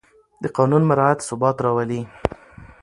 د قانون مراعت ثبات راولي